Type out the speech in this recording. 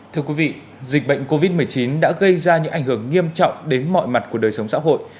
thưa quý vị dịch bệnh covid một mươi chín đã gây ra những ảnh hưởng nghiêm trọng đến mọi mặt của đời sống xã hội